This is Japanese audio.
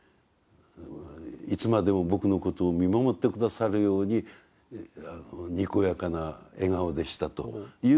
いつまでも僕のことを見守って下さるようににこやかな笑顔でした」という作文を頂いたんです。